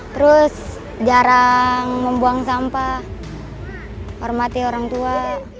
terus jarang membuang sampah hormati orang tua